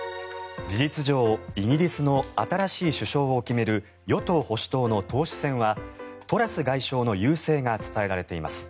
事実上イギリスの新しい首相を決める与党・保守党の党首選はトラス外相の優勢が伝えられています。